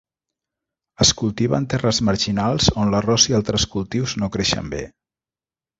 Es cultiva en terres marginals on l'arròs i altres cultius no creixen bé.